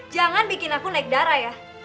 jangan bikin aku naik darah ya